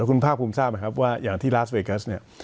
คุณภาคภูมิทราบไหมครับว่าอย่างที่ลาสเวกัสเนี่ย